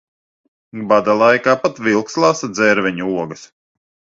Bada laikā pat vilks lasa dzērveņu ogas.